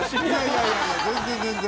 いやいやいや全然全然！